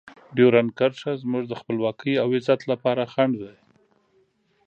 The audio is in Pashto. ډیورنډ کرښه زموږ د خپلواکۍ او عزت لپاره خنډ دی.